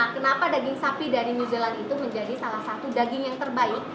kenapa daging sapi dari new zealand itu menjadi salah satu daging yang terbaik